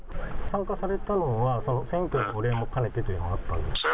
参加されたのは、選挙のお礼もかねてというのがあったんですか？